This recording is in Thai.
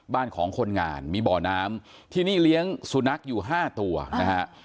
บ้านของคนงานมีบ่อน้ำที่นี่เลี้ยงสุนัขอยู่ห้าตัวนะฮะ